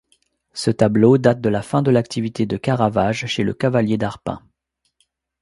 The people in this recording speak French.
Ce tableau date de la fin de l'activité de Caravage chez le Cavalier d'Arpin.